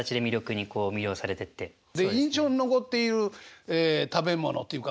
で印象に残っている食べ物っていうか